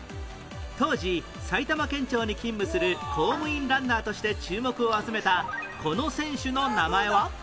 当時埼玉県庁に勤務する公務員ランナーとして注目を集めたこの選手の名前は？